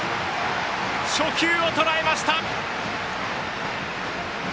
初球をとらえました。